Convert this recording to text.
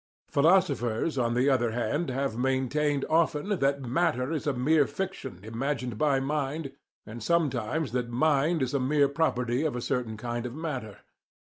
Philosophers, on the other hand, have maintained often that matter is a mere fiction imagined by mind, and sometimes that mind is a mere property of a certain kind of matter.